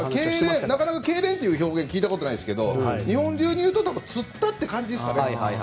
なかなかけいれんという表現聞いたことないですけど日本流にいうとつったという感じですかね。